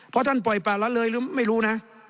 เพราะท่านปล่อยป่าละเลยหรือไม่รู้นะ